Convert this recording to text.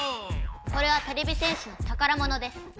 これはてれび戦士のたからものです。